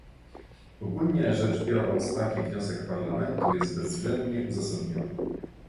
Ogólnie rzecz biorąc taki wniosek Parlamentu jest bezwzględnie uzasadniony